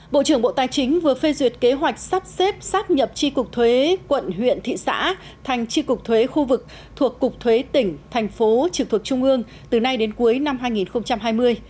bộ trưởng bộ tài chính vừa phê duyệt kế hoạch sắp xếp sắp nhập tri cục thuế quận huyện thị xã thành tri cục thuế khu vực thuộc cục thuế tỉnh thành phố trực thuộc trung ương từ nay đến cuối năm hai nghìn hai mươi